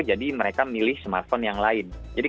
jadi mereka milih smartphone yang lain